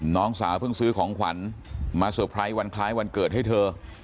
น้องสาวเพิ่งซื้อของขวัญมาเตอร์ไพรส์วันคล้ายวันเกิดให้เธอ